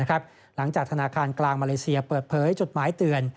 ธนาคารกลางมาเลเซียเปิดเผยจดหมายเตือน